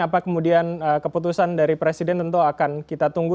apa kemudian keputusan dari presiden tentu akan kita tunggu